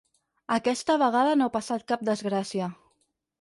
Aquesta vegada no ha passat cap desgràcia.